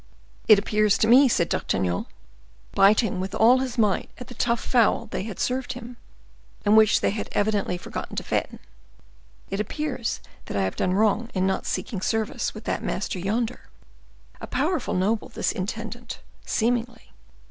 "It appears to me," said D'Artagnan, biting with all his might at the tough fowl they had served up to him, and which they had evidently forgotten to fatten,—"it appears that I have done wrong in not seeking service with that master yonder. A powerful noble this intendant, seemingly!